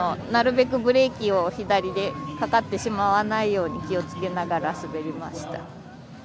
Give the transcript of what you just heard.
なるべくブレーキが左でかかってしまわないように気をつけながら滑りました。